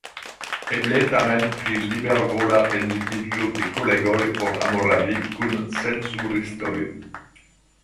Eble tamen pri libervola enlitiĝo de kolegoj por amoradi kun cenzuristoj.